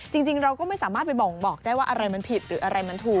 จริงเราก็ไม่สามารถไปบ่งบอกได้ว่าอะไรมันผิดหรืออะไรมันถูก